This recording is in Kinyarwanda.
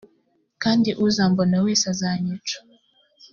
kandi uzambona wese azanyica